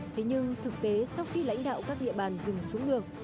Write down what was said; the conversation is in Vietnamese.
thế nhưng thực tế sau khi lãnh đạo các địa bàn dừng xuống đường